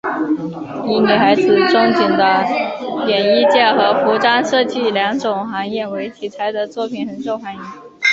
以女孩子憧憬的演艺界和服装设计两种行业为题材的作品很受欢迎。